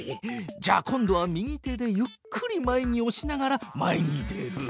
じゃあ今度は右手でゆっくり前におしながら前に出る。